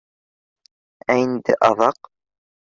Ә инде аҙаҡ